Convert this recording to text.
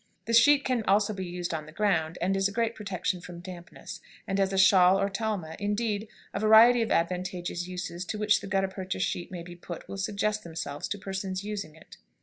The sheet can also be used on the ground, and is a great protection from dampness, and as a shawl or talma; indeed, a variety of advantageous uses to which the gutta percha sheet may be put will suggest themselves to persons using it.